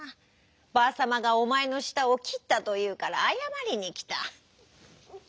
ばあさまがおまえのしたをきったというからあやまりにきた」。